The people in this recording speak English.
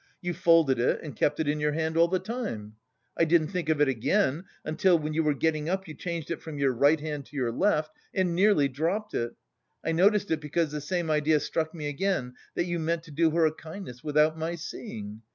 You folded it and kept it in your hand all the time. I didn't think of it again until, when you were getting up, you changed it from your right hand to your left and nearly dropped it! I noticed it because the same idea struck me again, that you meant to do her a kindness without my seeing.